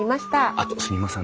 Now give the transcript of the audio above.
あとすみません。